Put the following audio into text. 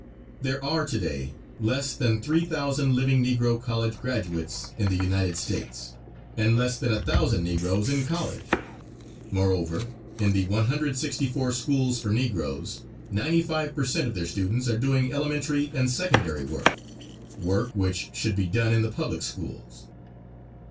There are to day less than 3,000 living Negro college graduates in the United States, and less than 1,000 Negroes in college. Moreover, in the 164 schools for Negroes, 95 per cent. of their students are doing elementary and secondary work, work which should be done in the public schools.